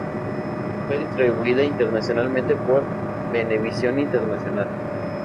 Fue distribuida internacionalmente por Venevisión Internacional.